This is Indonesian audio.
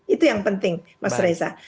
itu yang penting mas reza